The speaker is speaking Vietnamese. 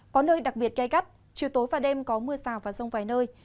có nơi đặc biệt cay cắt chiều tối và đêm có mưa rào và rông vài nơi